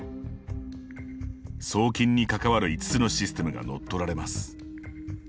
送金に関わる５つのシステムが乗っ取られます。